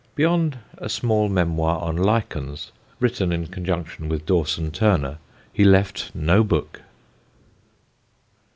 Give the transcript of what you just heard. Beyond a small memoir on Lichens, written in conjunction with Dawson Turner, he left no book.